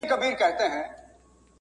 او ما بیا د ویده کیدو کوشش وکړ